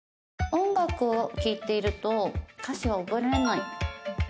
音楽を聞いていると歌詞は覚えられない